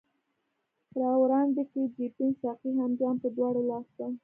را وړاندي که جبين ساقي هم جام پۀ دواړه لاسه